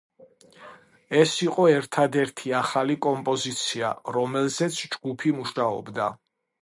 ეს იყო ერთადერთი ახალი კომპოზიცია, რომელზეც ჯგუფი მუშაობდა.